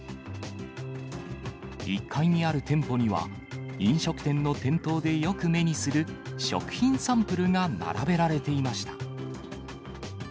１階にある店舗には、飲食店の店頭でよく目にする、食品サンプルが並べられていました。